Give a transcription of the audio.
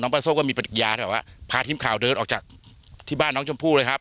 น้องปลาส้มก็มีปฏิกิริยานะครับว่าพาทีมข่าวเดินออกจากที่บ้านน้องชมพู่เลยครับ